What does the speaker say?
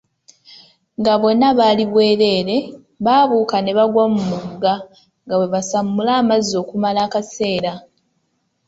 Nga bonna bali bwerere, baabuuka ne bagwa mu mugga, nga bwe basamula amazzi okumala akaseera.